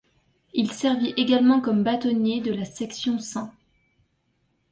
Il servit également comme bâtonnier de la section St.